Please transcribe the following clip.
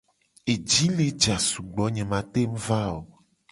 Eji le ja sugbo, nye ma teng va o.